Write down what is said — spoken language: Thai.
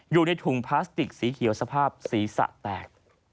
อยู่ในถุงพลาสติกสีเขียวสภาพศีรษะแตก